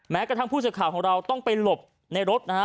กระทั่งผู้สื่อข่าวของเราต้องไปหลบในรถนะฮะ